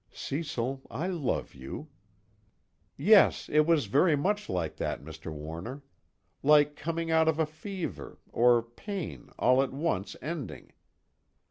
Cecil, I love you. "Yes, it was very much like that, Mr. Warner. Like coming out of a fever, or pain all at once ending.